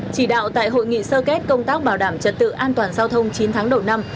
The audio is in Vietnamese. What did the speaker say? chỉ đạo tại hội nghị sơ kết công tác bảo đảm trật tự an toàn giao thông chín tháng đầu năm